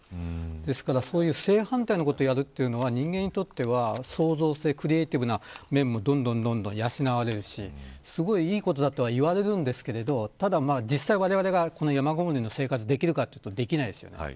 ですからそういう正反対のことをやるというのは人間にとって創造性、クリエーティブな面も養われるしすごいいいことだとは言われるんですけど実際われわれは山ごもりの生活ができるかというとできないですね。